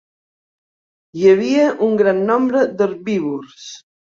Hi havia un gran nombre d'herbívors.